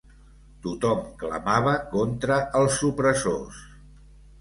Tothom clamava contra els opressors.